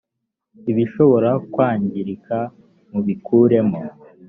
ibishobora kwangirika mubikuremo.